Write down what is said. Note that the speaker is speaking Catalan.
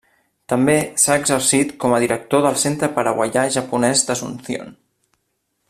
També s'ha exercit com a Director del Centre Paraguaià Japonès d'Asunción.